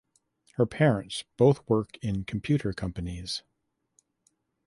Her parents both work in computer companies.